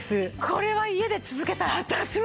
これは家で続けたい！